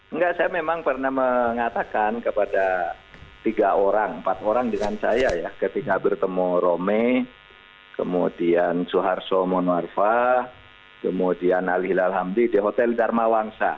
enggak saya memang pernah mengatakan kepada tiga orang empat orang dengan saya ya ketika bertemu romi kemudian soeharto monwarfa kemudian alihilal hamdi di hotel dharmawangsa